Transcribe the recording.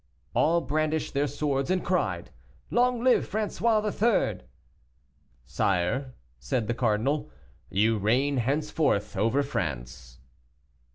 All brandished their swords and cried, "Long live François III." "Sire," said the cardinal, "you reign henceforth over France."